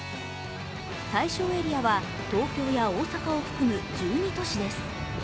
対象エリアは東京や大阪を含む、１２都市です。